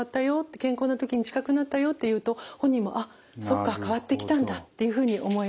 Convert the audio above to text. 健康な時に近くなったよ」って言うと本人も「あっそっか変わってきたんだ」っていうふうに思います。